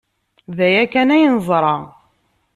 D aya kan ay neẓra.